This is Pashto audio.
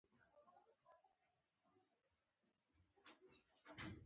بیا مې ویل تکبر د شیطان کار دی.